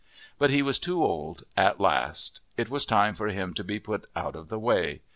But he was too old at last; it was time for him to be put out of the way.